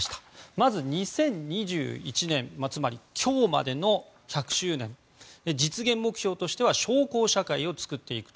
まず２０２１年今日までの１００周年実現目標としては小康社会を作っていくと。